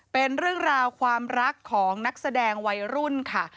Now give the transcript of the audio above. เป็นเรื่องราวความรักของนักแสดงวัยรุ่นค่ะ